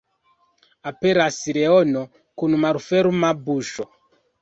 Aperas leono kun malferma buŝo.